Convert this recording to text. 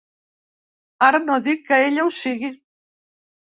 Ara no dic que ella ho sigui.